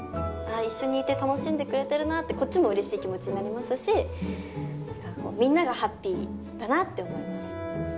一緒にいて楽しんでくれてるなってこっちも嬉しい気持ちになりますしみんながハッピーだなって思います